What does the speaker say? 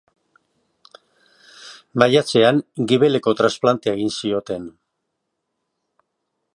Maiatzean gibeleko transplantea egin zioten.